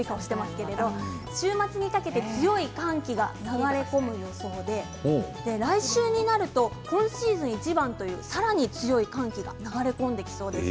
週末にかけて強い寒気が流れ込む予想で来週になると今シーズンいちばんというさらに強い寒気が流れ込んできます。